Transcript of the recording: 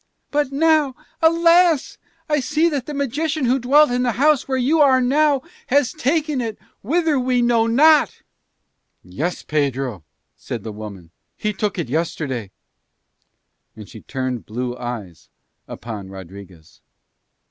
But now, alas, I see that that magician who dwelt in the house where you are now has taken it whither we know not." "Yes, Pedro," said the woman, "he took it yesterday." And she turned blue eyes upon Rodriguez.